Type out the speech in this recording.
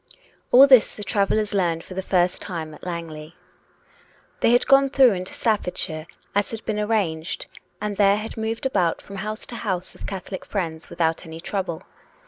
All this the travellers learned for the first time at Lang ley. They had gone through into Staffordshire, as had been arranged, and there had moved about from house to house of Catholic friends without any trouble.